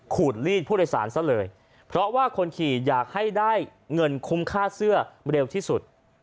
ขูดลีดผู้โดยสารซะเลยเพราะว่าคนขี่อยากให้ได้เงินคุ้มค่าเสื้อเร็วที่สุด